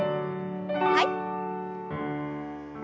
はい。